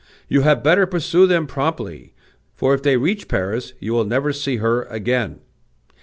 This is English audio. You had better pursue them promptly; for if they reach Paris you will never see her again."